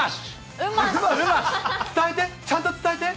伝えて、ちゃんと伝えて。